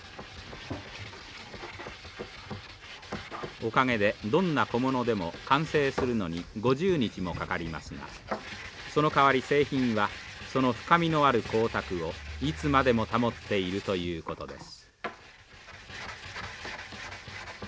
おかげでどんな小物でも完成するのに５０日もかかりますがそのかわり製品はその深みのある光沢をいつまでも保っているということです。